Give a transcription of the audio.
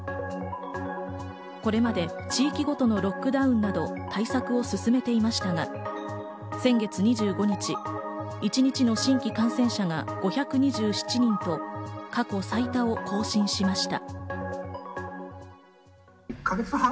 これまで地域ごとのロックダウンなど、対策を進めていましたが、先月２５日、一日の新規感染者が５２７人と、過去最多を更新しました。